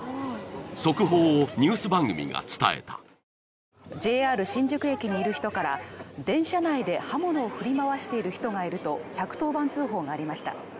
速報をニュース番組が伝えたＪＲ新宿駅にいる人から電車内で刃物を振り回している人がいると１１０番通報がありました